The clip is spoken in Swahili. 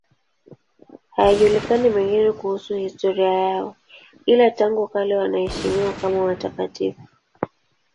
Hayajulikani mengine kuhusu historia yao, ila tangu kale wanaheshimiwa kama watakatifu.